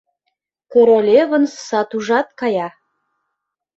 Королевын сатужат кая.